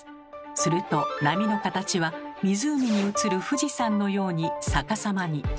すると波の形は湖に映る富士山のように逆さまに。